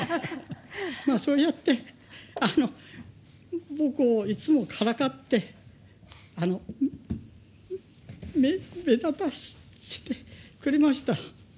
そうやって、僕をいつもからかって、目立たせてくれました。